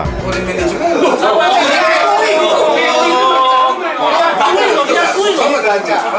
oh ini menjengkel